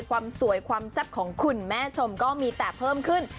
ความสวยความแซ่บของคุณแม่ชมก็มีแต่เพิ่มขึ้น